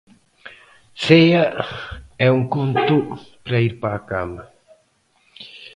Cea e un conto para ir para cama.